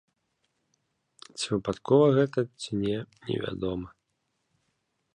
Ці выпадкова гэта, ці не, невядома.